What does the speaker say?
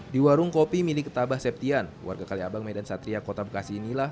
di warung kopi milik ketabah septian warga kaliabang medan satria kota bekasi inilah